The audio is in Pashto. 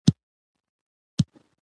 استاد بينوا د خپل ملت سره مینه درلوده.